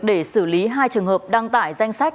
để xử lý hai trường hợp đăng tải danh sách